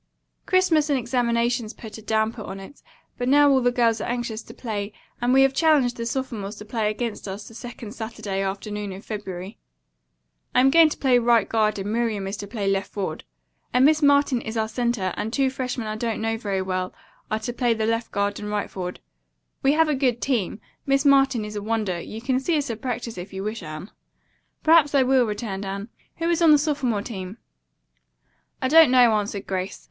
"Christmas and examinations put a damper on it, but now all the girls are anxious to play and we have challenged the sophomores to play against us the second Saturday afternoon in February. I am going to play right guard, and Miriam is to play left forward. A Miss Martin is our center, and two freshmen I don't know very well are to play the left guard and right forward. We have a good team. Miss Martin is a wonder. You can see us practice if you wish, Anne." "Perhaps I will," returned Anne. "Who is on the sophomore team?" "I don't know," answered Grace.